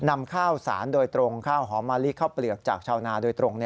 นำข้าวสารโดยตรงข้าวหอมมะลิข้าวเปลือกจากชาวนาโดยตรง